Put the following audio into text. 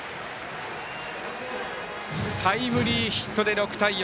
タイムリーヒットで６対４。